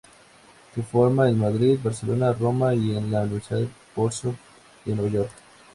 Se forma en Madrid, Barcelona, Roma y en la Universidad Parsons de Nueva York.